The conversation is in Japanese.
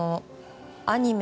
アニメ